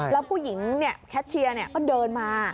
แล้วผู้หญิงแคชเชียร์ก็เดินมา